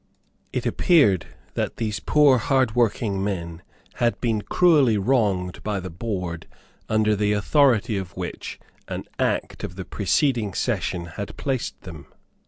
It appeared that these poor hardworking men had been cruelly wronged by the board under the authority of which an Act of the preceding session had placed them.